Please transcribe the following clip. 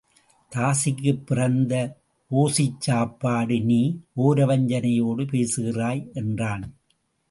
தாசிக்குப் பிறந்த ஒசிச்சாப்பாடு நீ ஒரவஞ்சனையோடு பேசுகிறாய் என்றான்.